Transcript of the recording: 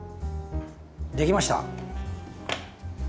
できました。